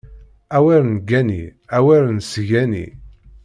Awer neggani, awer nesgani!